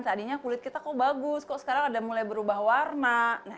tadinya kulit kita kok bagus kok sekarang ada mulai berubah warna